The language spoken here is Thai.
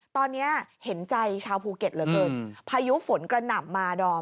ตอนเนี้ยเห็นใจชาวภูเก็ตเริ่มเริ่มภายุฝนกระหนับมาดอม